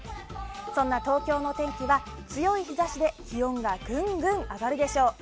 そんな東京のお天気は強い日差しで気温がぐんぐん上がるでしょう。